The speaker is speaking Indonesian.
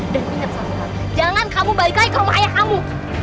dan inget satu hal jangan kamu balik lagi ke rumah ayah kamu